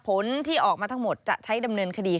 ผลที่ออกมาทั้งหมดจะใช้ดำเนินคดี